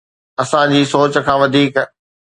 اسان جي سوچ کان وڌيڪ